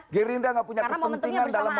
gerindra nggak punya kepentingan dalam